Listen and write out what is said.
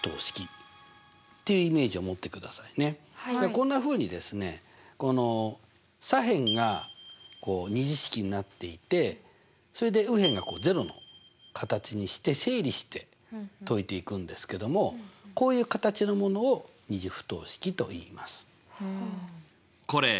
こんなふうにですね左辺が２次式になっていてそれで右辺が０の形にして整理して解いていくんですけどもこういう形のものを２次不等式といいます。